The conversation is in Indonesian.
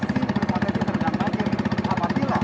apabila jalan layang ini selesai diperjalanan